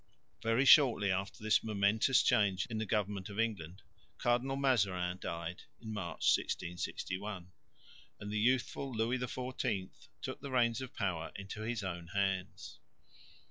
Very shortly after this momentous change in the government of England, Cardinal Mazarin died (March, 1661); and the youthful Louis XIV took the reins of power into his own hands.